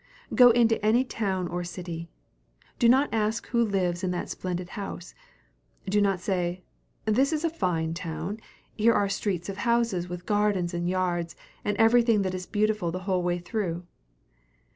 Go into any town or city: do not ask who lives in that splendid house; do not say, This is a fine town, here are streets of houses with gardens and yards, and everything that is beautiful the whole way through.